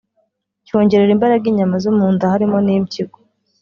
cyongerera imbaraga inyama zo mu nda harimo n’impyiko